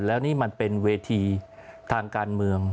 แล้วนี่มันเป็นเวทีทางการเมือง